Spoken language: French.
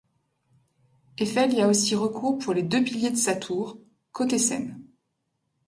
Eiffel y a aussi recours pour les deux piliers de sa tour, côté Seine.